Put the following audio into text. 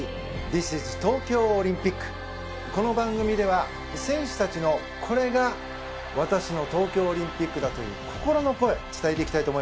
この番組では選手たちのこれが私の東京オリンピックだという心の声を伝えていきたいと思いますよ。